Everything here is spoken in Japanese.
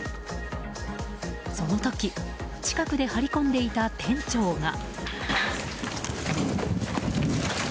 その時、近くで張り込んでいた店長が。